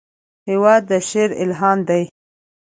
هېواد د شعر الهام دی.